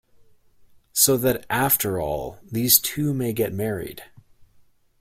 So that after all these two may get married.